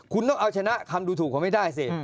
คุณต้องเอาชนะคำดูถูกเขาไม่ได้สิ